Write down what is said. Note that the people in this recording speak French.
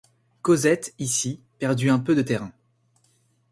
Cosette ici perdit un peu de terrain.